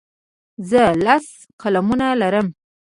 زه لس قلمونه لرم.